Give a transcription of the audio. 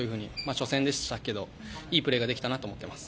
初戦でしたけどいいプレーができたなと思っています。